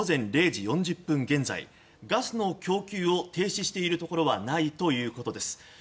また、東京ガスによりますと午前０時４０分現在ガスの供給を停止しているところはないということです。